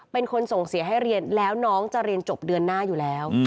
เป็นคนส่งเสียให้เรียนแล้วน้องจะเรียนจบเดือนหน้าอยู่แล้ว